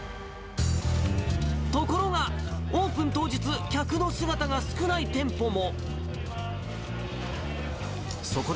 ところが、オープン当日、客の姿が少ない店舗も。